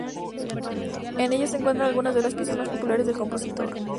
En ellas se encuentran algunas de las piezas más populares del compositor.